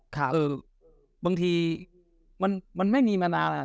คือบางทีมันไม่มีมานาน